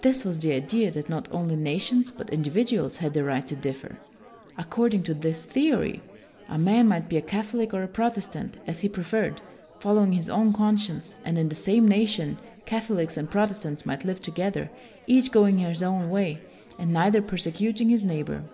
This was the idea that not only nations but individuals had the right to differ. According to this theory a man might be a Catholic or a Protestant as he preferred, following his own conscience; and in the same nation, Catholics and Protestants might live together, each going his own way, and neither persecuting his neighbor.